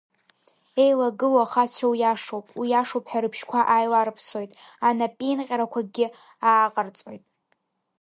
Еилагылоу ахацәа уиашоуп, уиашоуп ҳәа рыбжьқәа ааиларԥсоит, анапеинҟьарақәакгьы ааҟарҵоит.